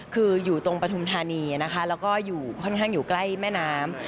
คืออยู่ตรงปฐุมธานีนะคะแล้วก็อยู่ค่อนข้างอยู่ใกล้แม่น้ำ